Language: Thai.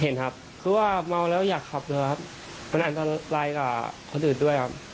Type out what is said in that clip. เห็นครับคือว่าเมาแล้วอยากขับเลยครับมันอันตรายกับคนอื่นด้วยครับ